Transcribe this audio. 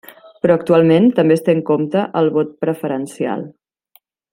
Però actualment també es té en compte el vot preferencial.